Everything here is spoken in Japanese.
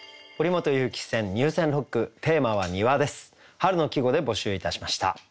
春の季語で募集いたしました。